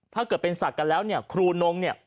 ถ้าเกิดเป็นศักดิ์กันแล้วเนี่ยครูนงเนี่ย